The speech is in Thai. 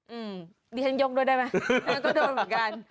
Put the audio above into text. อืมดิฉันยกด้วยได้ไหมฉันก็โดนเหมือนกัน